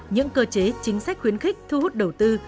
những cơ chế chính sách khuyến khích thu hút đầu tư